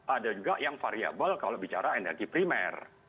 ada juga yang variable kalau bicara energi primer